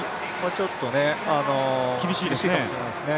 ちょっと厳しいかもしれないですね。